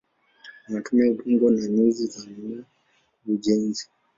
Wanatumia udongo na nyuzi za mimea kwa ujenzi.